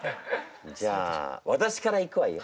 じゃあ私からいくわよ。